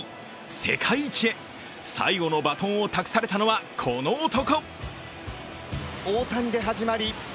世界一へ、最後のバトンを託されたのは、この男。